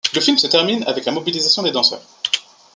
Le film se termine avec la mobilisation des danseurs.